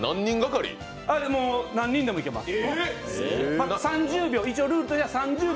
何人でもいけます。